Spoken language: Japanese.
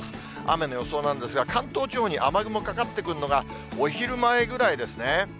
雨の予想なんですが、関東地方に雨雲かかってくるのが、お昼前ぐらいですね。